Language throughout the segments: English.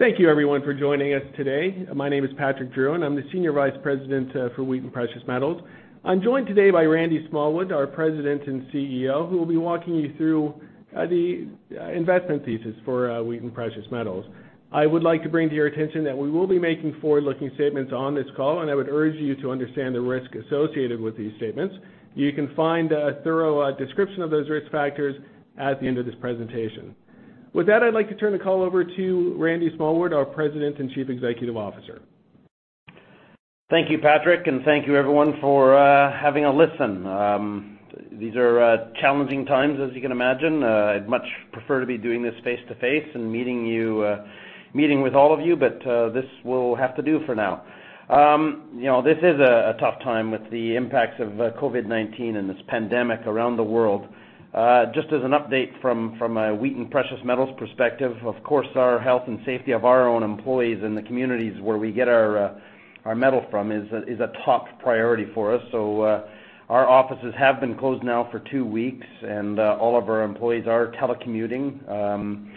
Thank you, everyone, for joining us today. My name is Patrick Drouin and I'm the Senior Vice President for Wheaton Precious Metals. I'm joined today by Randy Smallwood, our President and CEO, who will be walking you through the investment thesis for Wheaton Precious Metals. I would like to bring to your attention that we will be making forward-looking statements on this call, and I would urge you to understand the risk associated with these statements. You can find a thorough description of those risk factors at the end of this presentation. With that, I'd like to turn the call over to Randy Smallwood, our President and Chief Executive Officer. Thank you, Patrick, thank you, everyone, for having a listen. These are challenging times, as you can imagine. I'd much prefer to be doing this face-to-face and meeting with all of you, but this will have to do for now. This is a tough time with the impacts of COVID-19 and this pandemic around the world. Just as an update from a Wheaton Precious Metals perspective, of course, our health and safety of our own employees and the communities where we get our metal from is a top priority for us. Our offices have been closed now for two weeks, and all of our employees are telecommuting.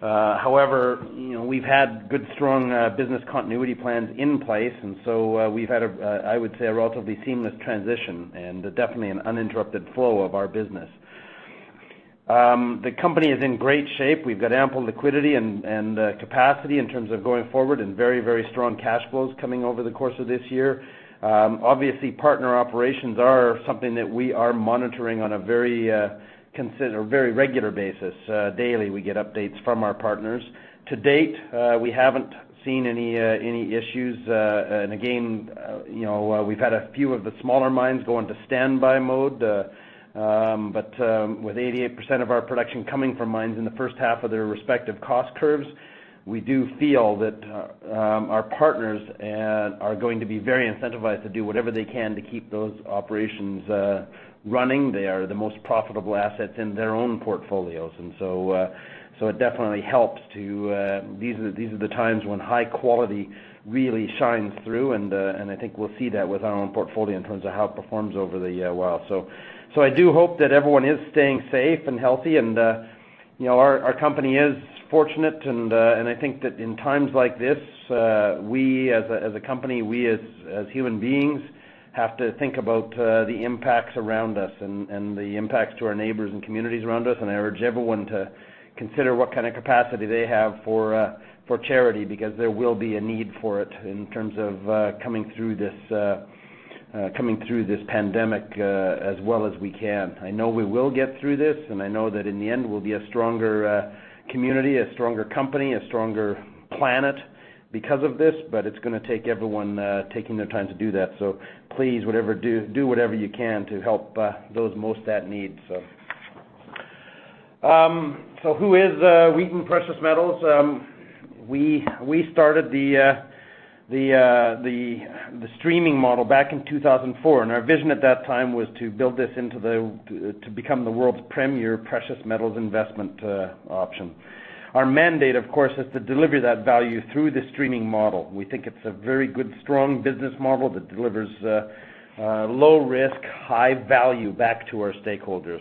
However, we've had good, strong business continuity plans in place, and so we've had, I would say, a relatively seamless transition and definitely an uninterrupted flow of our business. The company is in great shape. We've got ample liquidity and capacity in terms of going forward and very, very strong cash flows coming over the course of this year. Obviously, partner operations are something that we are monitoring on a very regular basis. Daily, we get updates from our partners. To date, we haven't seen any issues. Again, we've had a few of the smaller mines go into standby mode. With 88% of our production coming from mines in the first half of their respective cost curves, we do feel that our partners are going to be very incentivized to do whatever they can to keep those operations running. They are the most profitable assets in their own portfolios. These are the times when high quality really shines through, and I think we'll see that with our own portfolio in terms of how it performs over the while. I do hope that everyone is staying safe and healthy and our company is fortunate, and I think that in times like this, we as a company, we as human beings, have to think about the impacts around us and the impacts to our neighbors and communities around us. I urge everyone to consider what kind of capacity they have for charity, because there will be a need for it in terms of coming through this pandemic as well as we can. I know we will get through this, and I know that in the end, we'll be a stronger community, a stronger company, a stronger planet because of this, but it's going to take everyone taking their time to do that. Please, do whatever you can to help those most that need. Who is Wheaton Precious Metals? We started the Streaming model back in 2004, and our vision at that time was to build this to become the world's premier precious metals investment option. Our mandate, of course, is to deliver that value through the Streaming model. We think it's a very good, strong business model that delivers low risk, high value back to our stakeholders.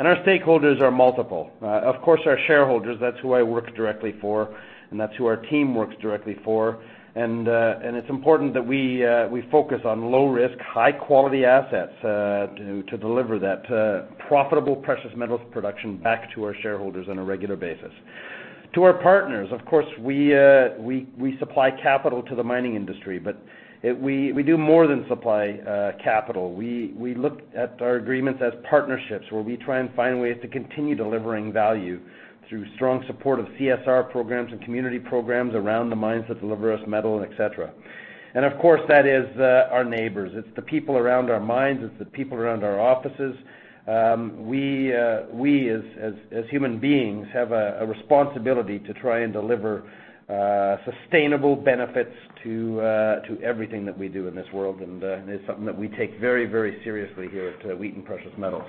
Our stakeholders are multiple. Of course, our shareholders, that's who I work directly for, and that's who our team works directly for. It's important that we focus on low risk, high quality assets to deliver that profitable precious metals production back to our shareholders on a regular basis. To our partners, of course, we supply capital to the mining industry, but we do more than supply capital. We look at our agreements as partnerships where we try and find ways to continue delivering value through strong support of CSR programs and community programs around the mines that deliver us metal, et cetera. Of course, that is our neighbors. It's the people around our mines. It's the people around our offices. We as human beings, have a responsibility to try and deliver sustainable benefits to everything that we do in this world, and it's something that we take very, very seriously here at Wheaton Precious Metals.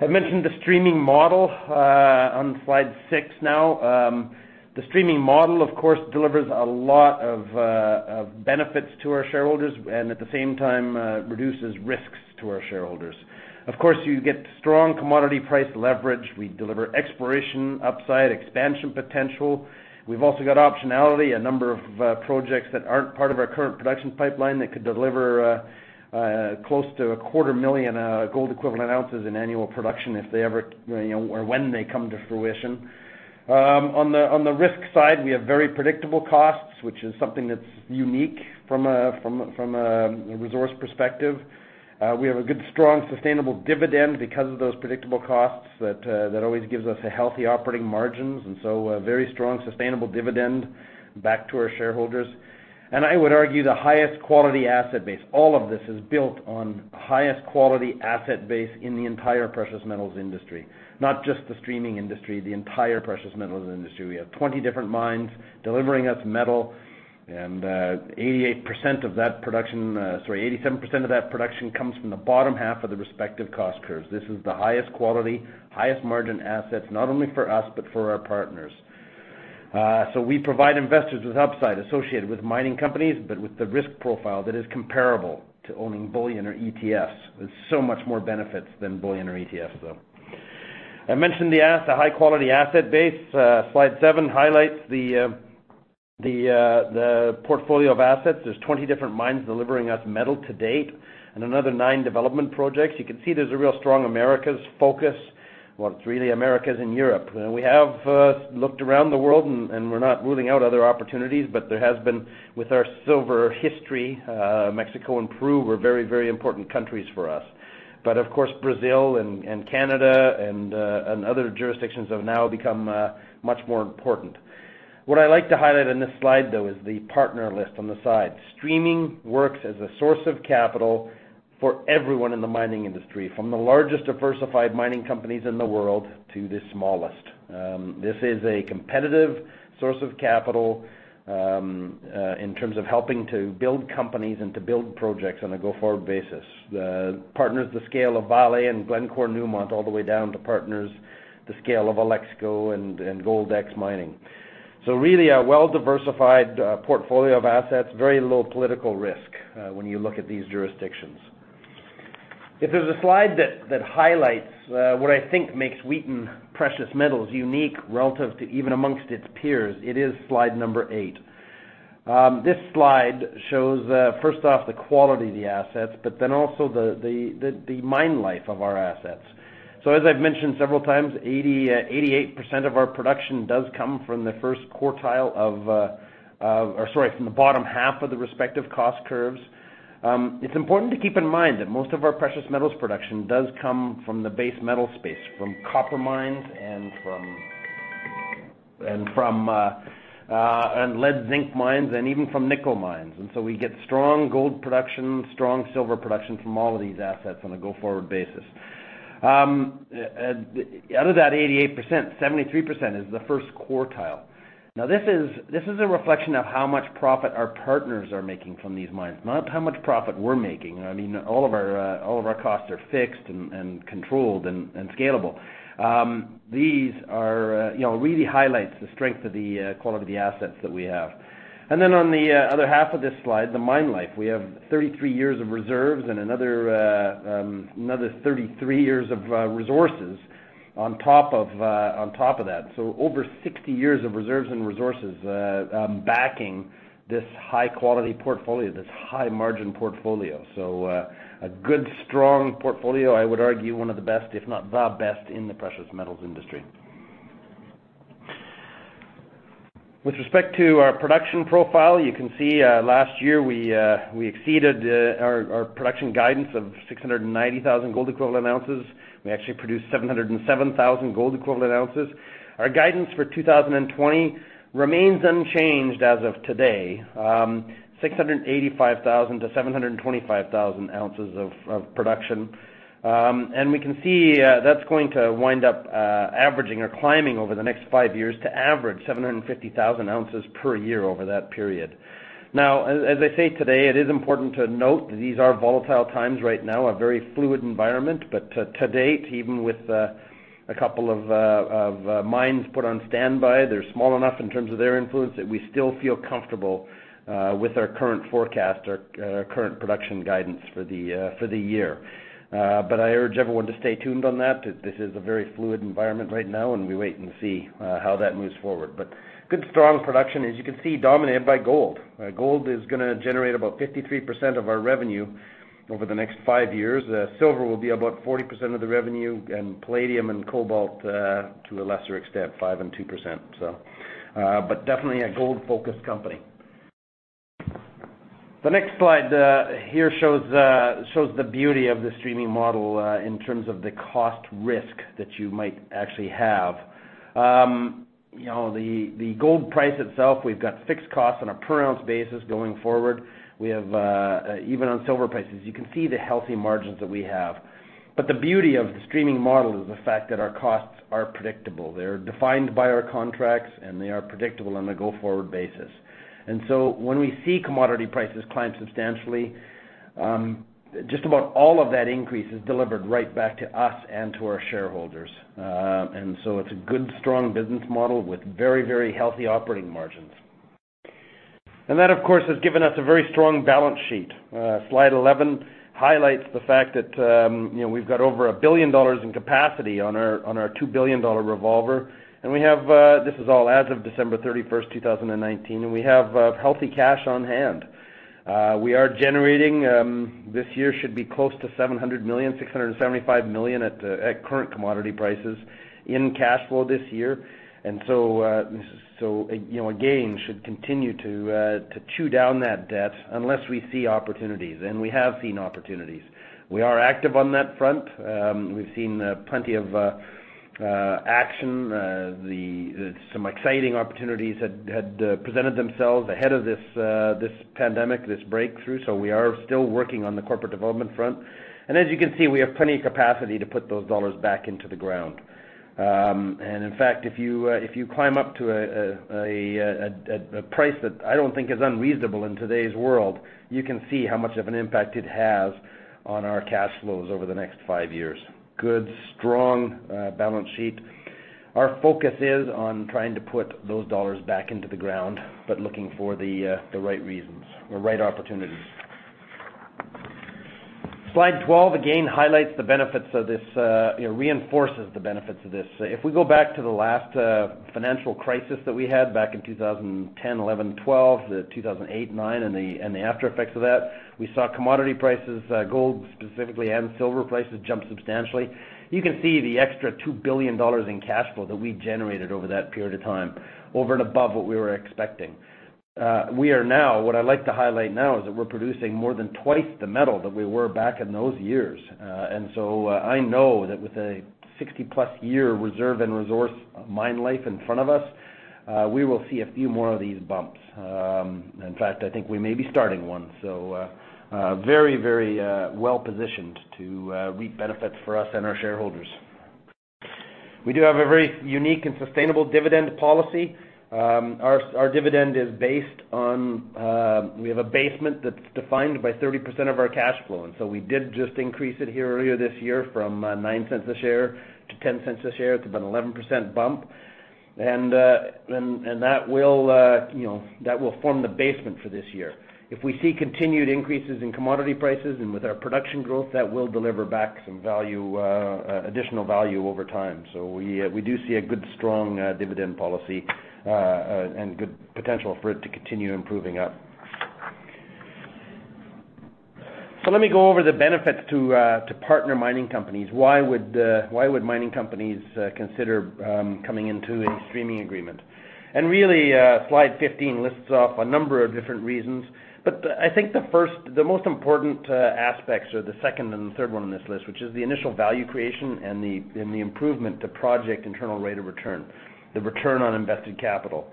I mentioned the Streaming model on slide six now. The Streaming model, of course, delivers a lot of benefits to our shareholders and at the same time reduces risks to our shareholders. Of course, you get strong commodity price leverage. We deliver exploration upside, expansion potential. We've also got optionality, a number of projects that aren't part of our current production pipeline that could deliver close to 250,000 gold equivalent ounces in annual production if they ever or when they come to fruition. On the risk side, we have very predictable costs, which is something that's unique from a resource perspective. We have a good, strong, sustainable dividend because of those predictable costs that always gives us a healthy operating margins, and so a very strong, sustainable dividend back to our shareholders. I would argue the highest quality asset base. All of this is built on highest quality asset base in the entire Precious Metals industry. Not just the Streaming industry, the entire Precious Metals industry. We have 20 different mines delivering us metal, and 88%, sorry 87% of that production comes from the bottom half of the respective cost curves. This is the highest quality, highest margin assets, not only for us, but for our partners. We provide investors with upside associated with mining companies, but with the risk profile that is comparable to owning bullion or ETFs. There's so much more benefits than bullion or ETFs, though. I mentioned the high-quality asset base. Slide seven highlights the portfolio of assets. There's 20 different mines delivering us metal to date and another nine development projects. You can see there's a real strong Americas focus. It's really Americas and Europe. We have looked around the world, and we're not ruling out other opportunities, but there has been, with our silver history, Mexico and Peru were very important countries for us. Of course, Brazil and Canada and other jurisdictions have now become much more important. What I like to highlight in this slide, though, is the partner list on the side. Streaming works as a source of capital for everyone in the mining industry, from the largest diversified mining companies in the world to the smallest. This is a competitive source of capital in terms of helping to build companies and to build projects on a go-forward basis. The partners the scale of Vale and Glencore, Newmont, all the way down to partners the scale of Alexco and Gold X Mining. Really, a well-diversified portfolio of assets, very low political risk when you look at these jurisdictions. If there's a slide that highlights what I think makes Wheaton Precious Metals unique relative to even amongst its peers, it is slide number eight. This slide shows, first off, the quality of the assets, but then also the mine life of our assets. As I've mentioned several times, 88% of our production does come from the first quartile from the bottom half of the respective cost curves. It's important to keep in mind that most of our precious metals production does come from the base metal space, from copper mines and lead zinc mines, and even from nickel mines. We get strong gold production, strong silver production from all of these assets on a go-forward basis. Out of that 88%, 73% is the first quartile. This is a reflection of how much profit our partners are making from these mines, not how much profit we're making. All of our costs are fixed and controlled and scalable. These really highlight the strength of the quality of the assets that we have. On the other half of this slide, the mine life. We have 33 years of reserves and another 33 years of resources on top of that. Over 60 years of reserves and resources backing this high-quality portfolio, this high-margin portfolio. A good, strong portfolio, I would argue one of the best, if not the best in the Precious Metals industry. With respect to our production profile, you can see last year we exceeded our production guidance of 690,000 gold equivalent ounces. We actually produced 707,000 gold equivalent ounces. Our guidance for 2020 remains unchanged as of today, 685,000 oz-725,000 oz of prozduction. We can see that's going to wind up averaging or climbing over the next five years to average 750,000 oz per year over that period. Now, as I say today, it is important to note that these are volatile times right now, a very fluid environment. To date, even with a couple of mines put on standby, they're small enough in terms of their influence that we still feel comfortable with our current forecast, our current production guidance for the year. I urge everyone to stay tuned on that. This is a very fluid environment right now, and we wait and see how that moves forward. Good, strong production, as you can see, dominated by gold. Gold is going to generate about 53% of our revenue over the next five years. Silver will be about 40% of the revenue, and palladium and cobalt, to a lesser extent, 5% and 2%. Definitely a gold-focused company. The next slide here shows the beauty of the Streaming model in terms of the cost risk that you might actually have. The gold price itself, we've got fixed costs on a per-ounce basis going forward. Even on silver prices, you can see the healthy margins that we have. The beauty of the Streaming model is the fact that our costs are predictable. They're defined by our contracts, and they are predictable on a go-forward basis. When we see commodity prices climb substantially, just about all of that increase is delivered right back to us and to our shareholders. It's a good, strong business model with very healthy operating margins. That, of course, has given us a very strong balance sheet. Slide 11 highlights the fact that we've got over 1 billion dollars in capacity on our 2 billion dollar revolver. We have, this is all as of December 31st, 2019, and we have healthy cash on hand. We are generating, this year should be close to 700 million, 675 million at current commodity prices in cash flow this year. So again, should continue to chew down that debt unless we see opportunities, and we have seen opportunities. We are active on that front. We've seen plenty of action. Some exciting opportunities had presented themselves ahead of this pandemic, this breakthrough, so we are still working on the corporate development front. As you can see, we have plenty of capacity to put those dollars back into the ground. In fact, if you climb up to a price that I don't think is unreasonable in today's world, you can see how much of an impact it has on our cash flows over the next five years. Good, strong balance sheet. Our focus is on trying to put those dollars back into the ground, looking for the right reasons or right opportunities. Slide 12 again reinforces the benefits of this. We go back to the last financial crisis that we had back in 2010, 2011, 2012, the 2008, and 2009, and the aftereffects of that, we saw commodity prices, gold specifically, and silver prices jump substantially. You can see the extra 2 billion dollars in cash flow that we generated over that period of time, over and above what we were expecting. What I'd like to highlight now is that we're producing more than twice the metal that we were back in those years. I know that with a 60+ year reserve and resource mine life in front of us, we will see a few more of these bumps. In fact, I think we may be starting one. Very well-positioned to reap benefits for us and our shareholders. We do have a very unique and sustainable dividend policy. Our dividend is based on, we have a basement that's defined by 30% of our cash flow. We did just increase it here earlier this year from 0.09 a share to 0.10 a share. It's about an 11% bump. That will form the basement for this year. If we see continued increases in commodity prices and with our production growth, that will deliver back some additional value over time. We do see a good, strong dividend policy, and good potential for it to continue improving up. Let me go over the benefits to partner mining companies. Why would mining companies consider coming into a Streaming Agreement? Really, slide 15 lists off a number of different reasons, but I think the most important aspects are the second and the third one on this list, which is the initial value creation and the improvement to project internal rate of return, the return on invested capital.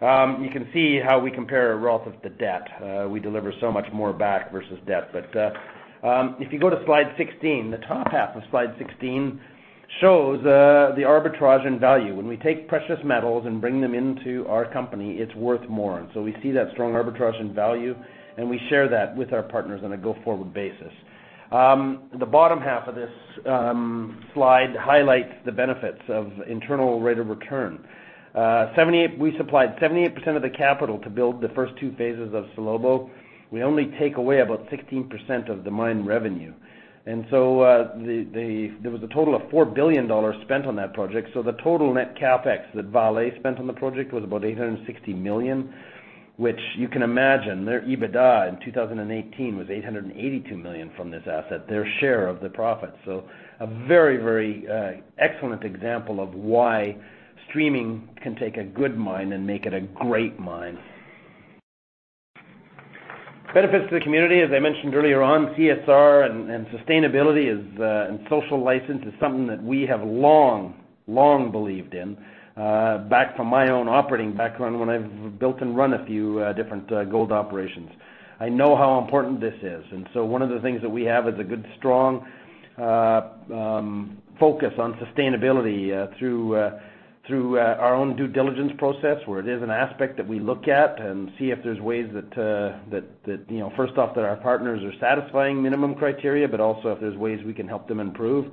You can see how we compare relative to debt. We deliver so much more back versus debt. If you go to slide 16, the top half of slide 16 shows the arbitrage in value. When we take precious metals and bring them into our company, it's worth more. So we see that strong arbitrage in value, and we share that with our partners on a go-forward basis. The bottom half of this slide highlights the benefits of internal rate of return. We supplied 78% of the capital to build the first two phases of Salobo. We only take away about 16% of the mine revenue. There was a total of 4 billion dollars spent on that project. The total net CapEx that Vale spent on the project was about 860 million, which you can imagine their EBITDA in 2018 was 882 million from this asset, their share of the profit. A very excellent example of why Streaming can take a good mine and make it a great mine. Benefits to the community, as I mentioned earlier on, CSR and sustainability and social license is something that we have long believed in. Back from my own operating background when I've built and run a few different gold operations, I know how important this is. One of the things that we have is a good, strong focus on sustainability through our own due diligence process where it is an aspect that we look at and see if there's ways that first off, that our partners are satisfying minimum criteria, but also if there's ways we can help them improve.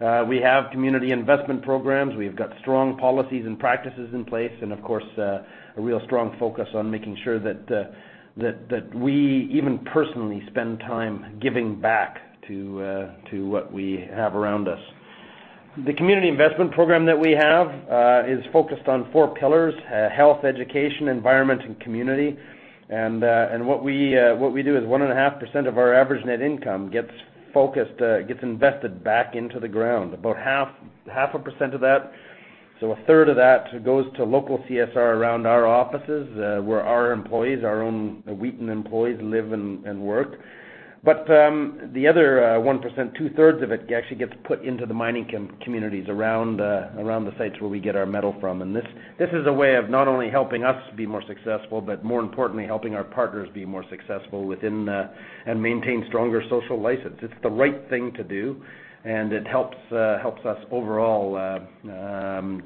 We have community investment programs. We have got strong policies and practices in place. Of course, a real strong focus on making sure that we even personally spend time giving back to what we have around us. The community investment program that we have is focused on four pillars, health, education, environment, and community. What we do is 1.5% of our average net income gets invested back into the ground. About 0.5% Of that, so 1/3 of that goes to local CSR around our offices, where our employees, our own Wheaton employees live and work. The other 1%, 2/3 of it actually gets put into the mining communities around the sites where we get our metal from. This is a way of not only helping us be more successful, but more importantly, helping our partners be more successful and maintain stronger social license. It's the right thing to do, and it helps us overall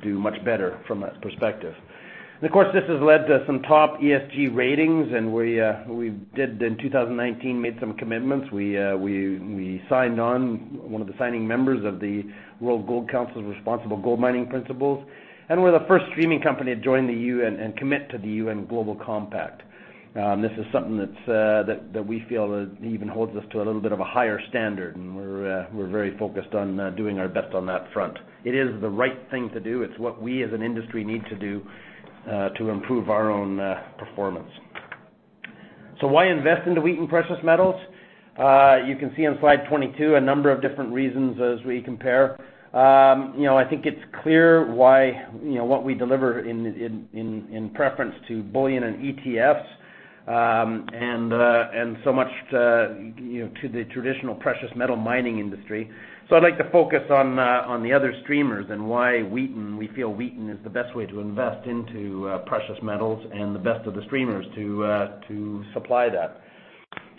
do much better from that perspective. Of course, this has led to some top ESG ratings, and we did in 2019 made some commitments. We signed on, one of the signing members of the World Gold Council's Responsible Gold Mining Principles, and we're the first Streaming company to join the UN and commit to the UN Global Compact. This is something that we feel even holds us to a little bit of a higher standard, and we're very focused on doing our best on that front. It is the right thing to do. It's what we as an industry need to do to improve our own performance. Why invest into Wheaton Precious Metals? You can see on slide 22 a number of different reasons as we compare. I think it's clear what we deliver in preference to bullion and ETFs, and so much to the traditional Precious Metal Mining industry. I'd like to focus on the other streamers and why we feel Wheaton is the best way to invest into precious metals and the best of the streamers to supply that.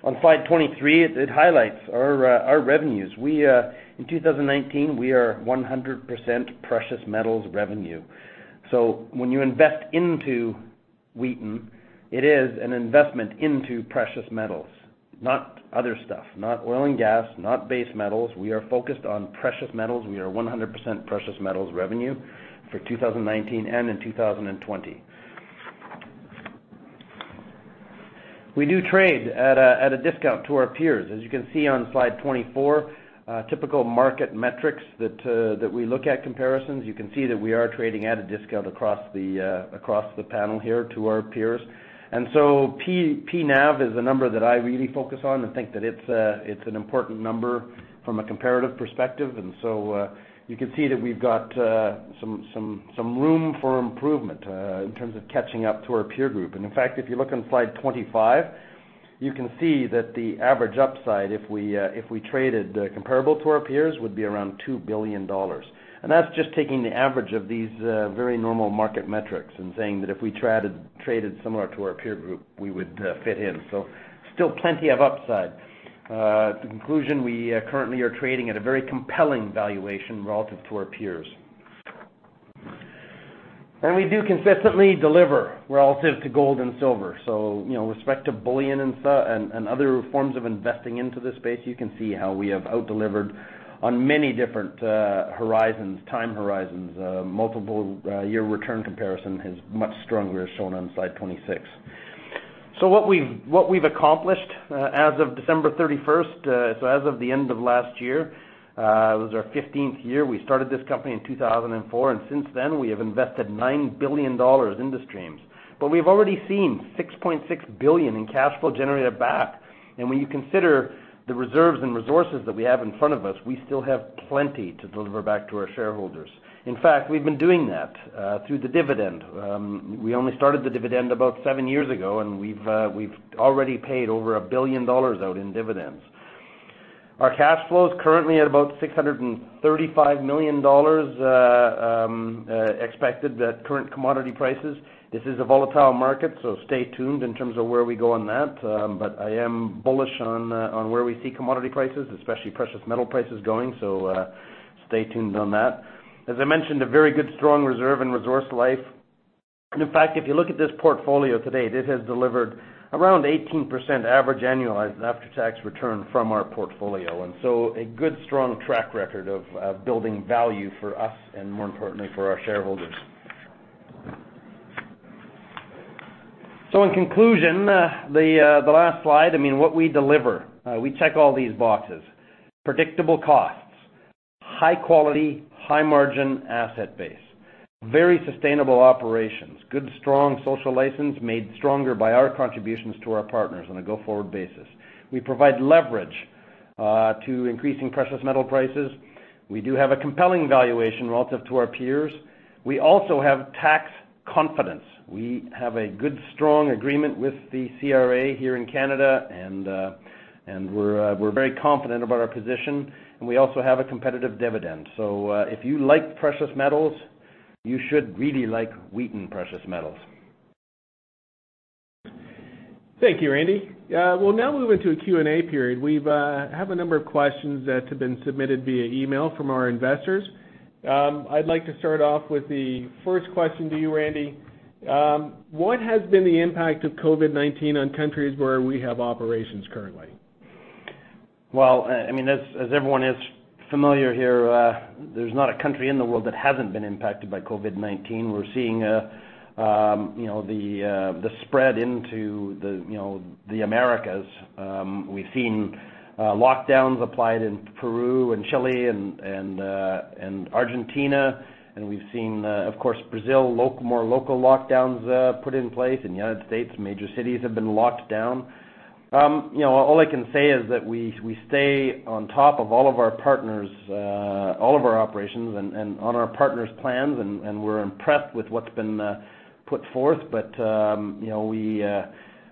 On slide 23, it highlights our revenues. In 2019, we are 100% Precious Metals revenue. When you invest into Wheaton, it is an investment into precious metals, not other stuff, not oil and gas, not base metals. We are focused on precious metals. We are 100% Precious Metals revenue for 2019 and in 2020. We do trade at a discount to our peers. As you can see on slide 24, typical market metrics that we look at comparisons, you can see that we are trading at a discount across the panel here to our peers. PNAV is a number that I really focus on and think that it's an important number from a comparative perspective. You can see that we've got some room for improvement in terms of catching up to our peer group. In fact, if you look on slide 25, you can see that the average upside, if we traded comparable to our peers, would be around 2 billion dollars. That's just taking the average of these very normal market metrics and saying that if we traded similar to our peer group, we would fit in. Still plenty of upside. The conclusion, we currently are trading at a very compelling valuation relative to our peers. We do consistently deliver relative to gold and silver. With respect to bullion and other forms of investing into this space, you can see how we have out-delivered on many different time horizons. Multiple year return comparison is much stronger, as shown on slide 26. What we've accomplished as of December 31st, as of the end of last year, it was our 15th year. We started this company in 2004, and since then, we have invested 9 billion dollars into streams. We've already seen 6.6 billion in cash flow generated back. When you consider the reserves and resources that we have in front of us, we still have plenty to deliver back to our shareholders. In fact, we've been doing that through the dividend. We only started the dividend about seven years ago, and we've already paid over 1 billion dollars out in dividends. Our cash flow is currently at about 635 million dollars, expected at current commodity prices. This is a volatile market, so stay tuned in terms of where we go on that. I am bullish on where we see commodity prices, especially Precious Metal prices going. Stay tuned on that. As I mentioned, a very good, strong reserve and resource life. In fact, if you look at this portfolio today, this has delivered around 18% average annualized after-tax return from our portfolio. A good, strong track record of building value for us and, more importantly, for our shareholders. In conclusion, the last slide, what we deliver. We check all these boxes. Predictable costs, high quality, high margin asset base, very sustainable operations, good, strong social license made stronger by our contributions to our partners on a go-forward basis. We provide leverage to increasing precious metal prices. We do have a compelling valuation relative to our peers. We also have tax confidence. We have a good, strong agreement with the CRA here in Canada, and we're very confident about our position, and we also have a competitive dividend. If you like precious metals, you should really like Wheaton Precious Metals. Thank you, Randy. We'll now move into a Q&A period. We have a number of questions that have been submitted via email from our investors. I'd like to start off with the first question to you, Randy. What has been the impact of COVID-19 on countries where we have operations currently? Well, as everyone is familiar here, there's not a country in the world that hasn't been impacted by COVID-19. We're seeing the spread into the Americas. We've seen lockdowns applied in Peru and Chile and Argentina, and we've seen, of course, Brazil, more local lockdowns put in place. In the United States, major cities have been locked down. All I can say is that we stay on top of all of our operations and on our partners' plans, and we're impressed with what's been put forth.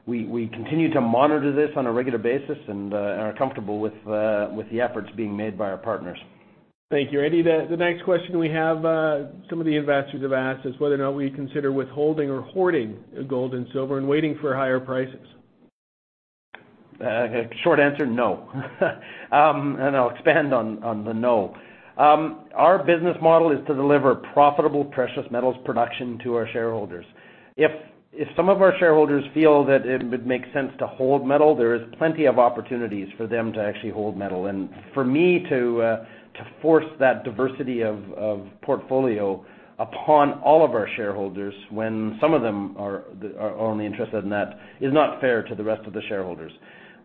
We continue to monitor this on a regular basis and are comfortable with the efforts being made by our partners. Thank you, Randy. The next question we have, some of the investors have asked, is whether or not we consider withholding or hoarding gold and silver and waiting for higher prices. Short answer, no. I'll expand on the no. Our business model is to deliver profitable precious metals production to our shareholders. If some of our shareholders feel that it would make sense to hold metal, there is plenty of opportunities for them to actually hold metal. For me to force that diversity of portfolio upon all of our shareholders when some of them are only interested in that is not fair to the rest of the shareholders.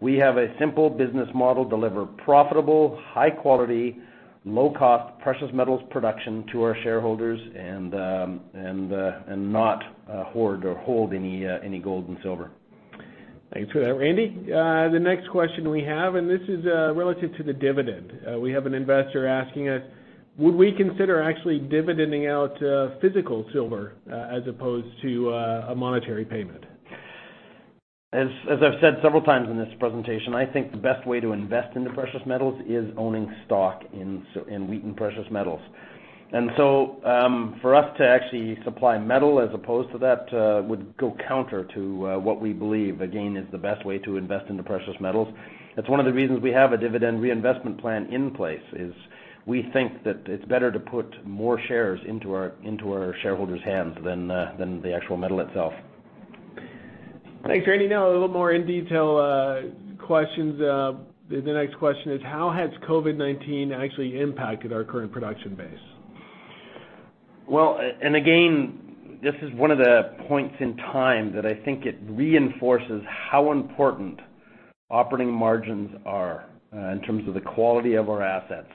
We have a simple business model, deliver profitable, high quality, low cost precious metals production to our shareholders and not hoard or hold any gold and silver. Thanks for that, Randy. The next question we have, this is relative to the dividend. We have an investor asking us, would we consider actually dividending out physical silver as opposed to a monetary payment? As I've said several times in this presentation, I think the best way to invest into Precious Metals is owning stock in Wheaton Precious Metals. For us to actually supply metal as opposed to that would go counter to what we believe, again, is the best way to invest into Precious Metals. That's one of the reasons we have a dividend reinvestment plan in place, is we think that it's better to put more shares into our shareholders' hands than the actual metal itself. Thanks, Randy. Now a little more in-detail questions. The next question is, how has COVID-19 actually impacted our current production base? Well, again, this is one of the points in time that I think it reinforces how important operating margins are in terms of the quality of our assets.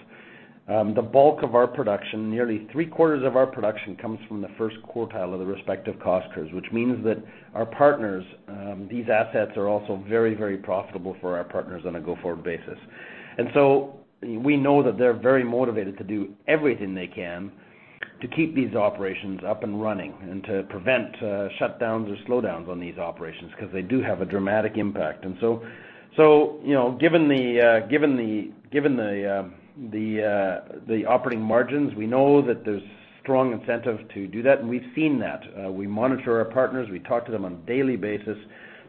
The bulk of our production, nearly three-quarters of our production, comes from the first quartile of the respective cost curves, which means that these assets are also very profitable for our partners on a go-forward basis. We know that they're very motivated to do everything they can to keep these operations up and running and to prevent shutdowns or slowdowns on these operations, because they do have a dramatic impact. Given the operating margins, we know that there's strong incentive to do that, and we've seen that. We monitor our partners, we talk to them on a daily basis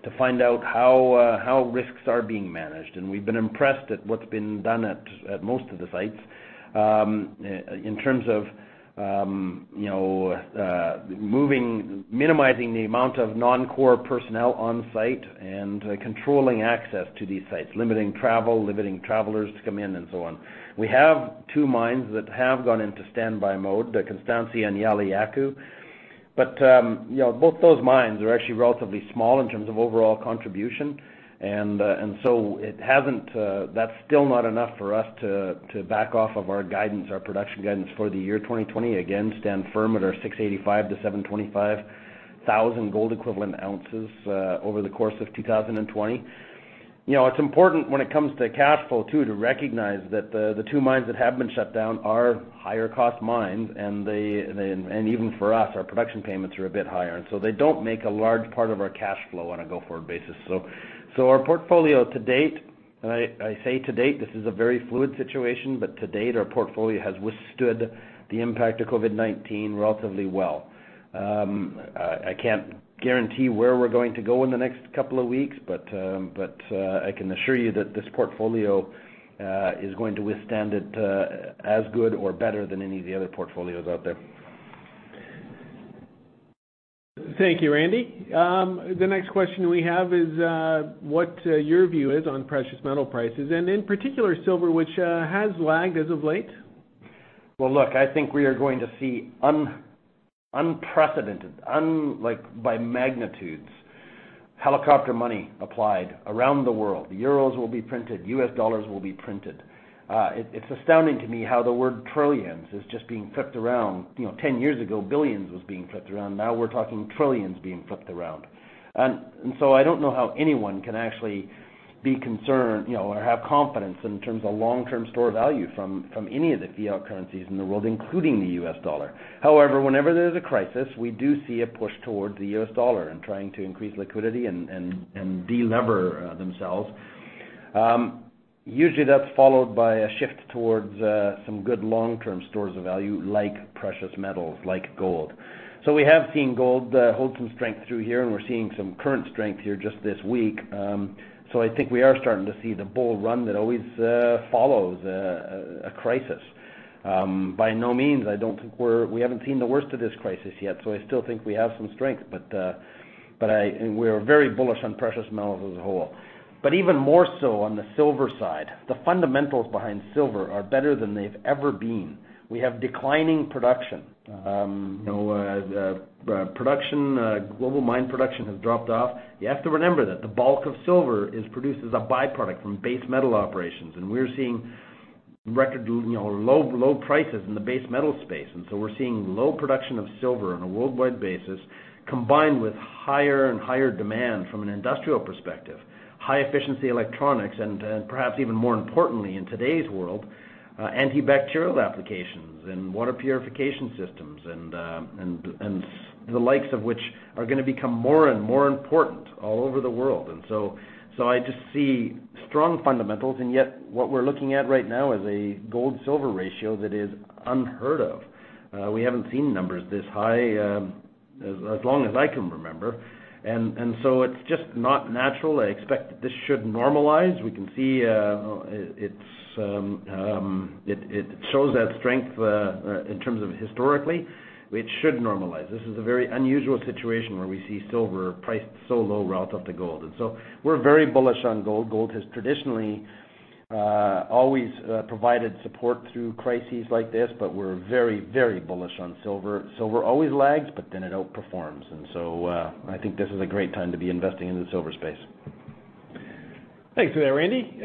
to find out how risks are being managed. We've been impressed at what's been done at most of the sites in terms of minimizing the amount of non-core personnel on site and controlling access to these sites, limiting travel, limiting travelers to come in, and so on. We have two mines that have gone into standby mode, the Constancia and Yauliyacu Mine. Both those mines are actually relatively small in terms of overall contribution, that's still not enough for us to back off of our production guidance for the year 2020. Again, stand firm at our 685,000-725,000 gold equivalent ounces over the course of 2020. It's important when it comes to cash flow too, to recognize that the two mines that have been shut down are higher cost mines, and even for us, our production payments are a bit higher, and so they don't make a large part of our cash flow on a go-forward basis. Our portfolio to date, and I say to date, this is a very fluid situation, but to date, our portfolio has withstood the impact of COVID-19 relatively well. I can't guarantee where we're going to go in the next couple of weeks, but I can assure you that this portfolio is going to withstand it as good or better than any of the other portfolios out there. Thank you, Randy. The next question we have is what your view is on precious metal prices and in particular silver, which has lagged as of late. Look, I think we are going to see unprecedented, by magnitudes, helicopter money applied around the world. Euros will be printed, U.S. dollars will be printed. It's astounding to me how the word trillions is just being flipped around. 10 years ago, billions was being flipped around. Now we're talking trillions being flipped around. I don't know how anyone can actually be concerned or have confidence in terms of long-term store value from any of the fiat currencies in the world, including the U.S. dollar. Whenever there's a crisis, we do see a push towards the U.S. dollar and trying to increase liquidity and de-lever themselves. Usually that's followed by a shift towards some good long-term stores of value, like precious metals, like gold. We have seen gold hold some strength through here, and we're seeing some current strength here just this week. I think we are starting to see the bull run that always follows a crisis. By no means, we haven't seen the worst of this crisis yet, so I still think we have some strength, but we're very bullish on precious metals as a whole. Even more so on the silver side. The fundamentals behind silver are better than they've ever been. We have declining production. Global mine production has dropped off. You have to remember that the bulk of silver is produced as a by-product from base metal operations, and we're seeing record low prices in the base metal space. We're seeing low production of silver on a worldwide basis, combined with higher and higher demand from an industrial perspective, high efficiency electronics, and perhaps even more importantly in today's world, antibacterial applications and water purification systems and the likes of which are going to become more and more important all over the world. I just see strong fundamentals, and yet what we're looking at right now is a gold-silver ratio that is unheard of. We haven't seen numbers this high as long as I can remember. It's just not natural. I expect that this should normalize. We can see it shows that strength in terms of historically, which should normalize. This is a very unusual situation where we see silver priced so low relative to gold. We're very bullish on gold. Gold has traditionally always provided support through crises like this, but we're very bullish on silver. Silver always lags, but then it outperforms. I think this is a great time to be investing in the silver space. Thanks for that, Randy.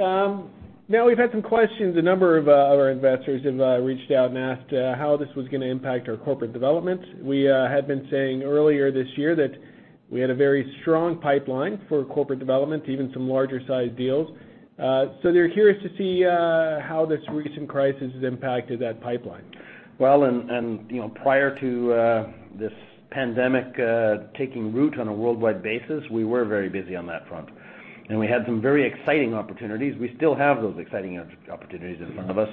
We've had some questions. A number of our investors have reached out and asked how this was going to impact our corporate development. We had been saying earlier this year that we had a very strong pipeline for corporate development, even some larger sized deals. They're curious to see how this recent crisis has impacted that pipeline. Well, prior to this pandemic taking root on a worldwide basis, we were very busy on that front, and we had some very exciting opportunities. We still have those exciting opportunities in front of us.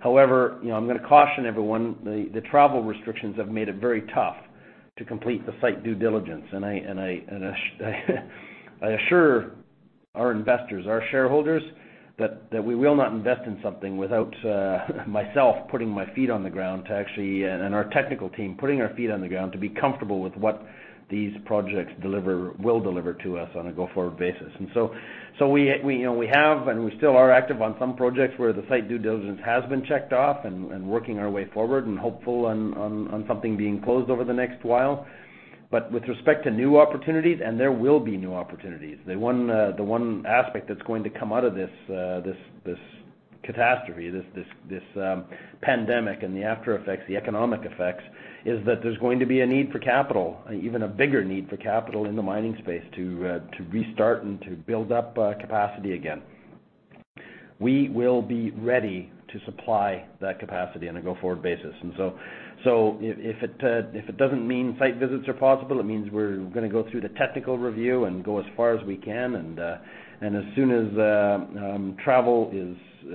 However, I'm going to caution everyone, the travel restrictions have made it very tough to complete the site due diligence. I assure our investors, our shareholders, that we will not invest in something without myself putting my feet on the ground to actually, and our technical team, putting our feet on the ground to be comfortable with what these projects will deliver to us on a go-forward basis. We have, and we still are active on some projects where the site due diligence has been checked off and working our way forward and hopeful on something being closed over the next while. With respect to new opportunities, and there will be new opportunities. The one aspect that's going to come out of this catastrophe, this pandemic, and the aftereffects, the economic effects, is that there's going to be a need for capital, even a bigger need for capital in the mining space to restart and to build up capacity again. We will be ready to supply that capacity on a go-forward basis. If it doesn't mean site visits are possible, it means we're going to go through the technical review and go as far as we can. As soon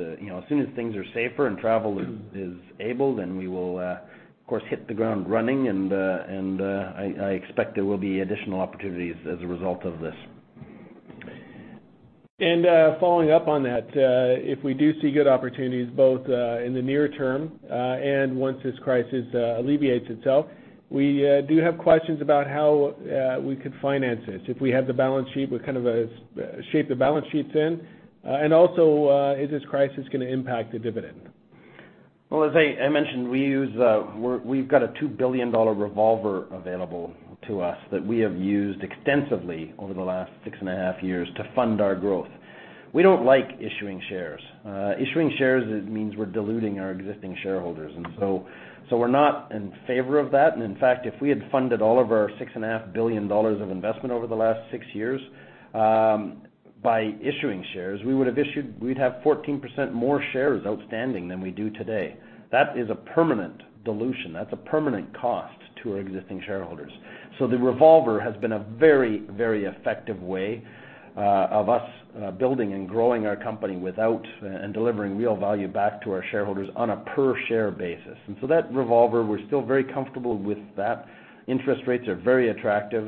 as things are safer and travel is able, then we will, of course, hit the ground running. I expect there will be additional opportunities as a result of this. Following up on that, if we do see good opportunities both in the near-term and once this crisis alleviates itself, we do have questions about how we could finance this if we have the balance sheet, what kind of a shape the balance sheet's in. Also, is this crisis going to impact the dividend? As I mentioned, we've got a 2 billion dollar revolver available to us that we have used extensively over the last six and a half years to fund our growth. We don't like issuing shares. Issuing shares, it means we're diluting our existing shareholders, and so we're not in favor of that. In fact, if we had funded all of our 6.5 billion dollars of investment over the last six years by issuing shares, we'd have 14% more shares outstanding than we do today. That is a permanent dilution. That's a permanent cost to our existing shareholders. The revolver has been a very effective way of us building and growing our company and delivering real value back to our shareholders on a per-share basis. That revolver, we're still very comfortable with that. Interest rates are very attractive,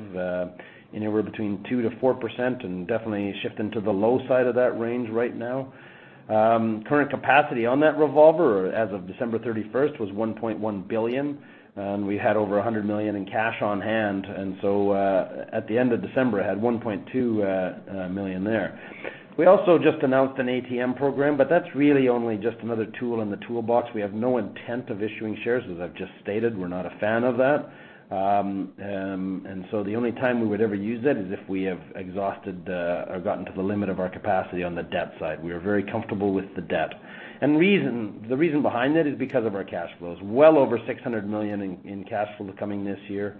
anywhere between 2%-4% and definitely shift into the low side of that range right now. Current capacity on that revolver as of December 31st was 1.1 billion. We had over 100 million in cash on hand. At the end of December, it had 1.2 million there. We also just announced an ATM program, that's really only just another tool in the toolbox. We have no intent of issuing shares, as I've just stated. We're not a fan of that. The only time we would ever use that is if we have exhausted or gotten to the limit of our capacity on the debt side. We are very comfortable with the debt. The reason behind it is because of our cash flows. Well over 600 million in cash flow coming this year.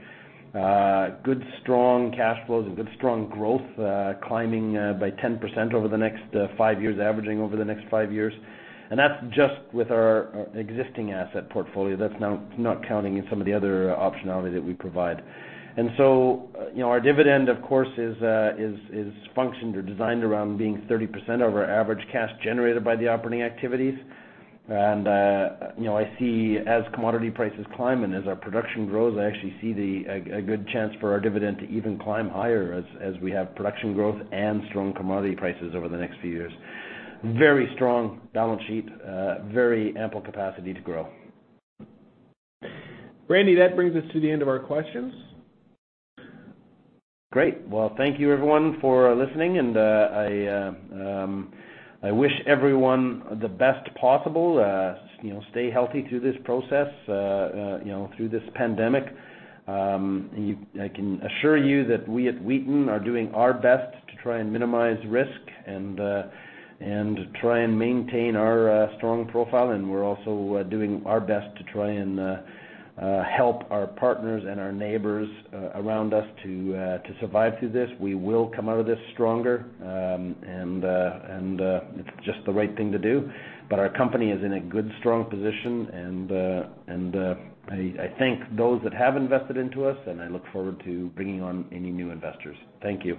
Good, strong cash flows, good, strong growth, climbing by 10% over the next five years, averaging over the next five years. That's just with our existing asset portfolio. That's not counting in some of the other optionality that we provide. Our dividend, of course, is functioned or designed around being 30% of our average cash generated by the operating activities. I see as commodity prices climb and as our production grows, I actually see a good chance for our dividend to even climb higher as we have production growth and strong commodity prices over the next few years. Very strong balance sheet. Very ample capacity to grow. Randy, that brings us to the end of our questions. Great. Well, thank you, everyone, for listening, and I wish everyone the best possible. Stay healthy through this process, through this pandemic. I can assure you that we at Wheaton are doing our best to try and minimize risk and to try and maintain our strong profile. We're also doing our best to try and help our partners and our neighbors around us to survive through this. We will come out of this stronger, and it's just the right thing to do. Our company is in a good, strong position, and I thank those that have invested into us, and I look forward to bringing on any new investors. Thank you.